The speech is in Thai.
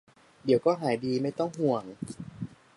เดี๋ยวก็หายดี ไม่ต้องห่วง